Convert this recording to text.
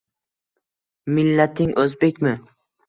— Millating o‘zbekmi?